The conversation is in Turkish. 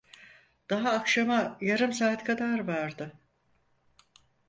Daha akşama yarım saat kadar vardı.